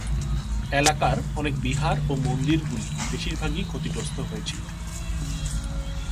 এলাকার অনেক বিহার ও মন্দিরগুলি বেশিরভাগই ক্ষতিগ্রস্ত হয়েছিল।